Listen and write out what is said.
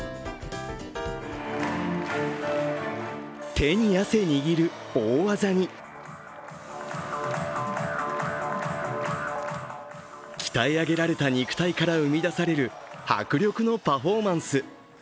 手に汗握る大技に鍛え上げられた肉体から生み出される迫力のパフォーマンス。